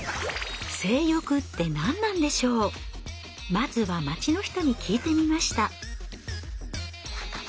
まずは街の人に聞いてみました。